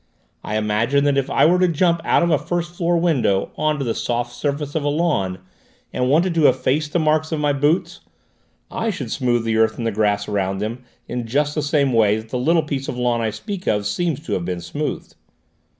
I imagine that if I were to jump out of a first floor window on to the soft surface of a lawn, and wanted to efface the marks of my boots, I should smooth the earth and the grass around them in just the same way that the little piece of lawn I speak of seems to have been smoothed."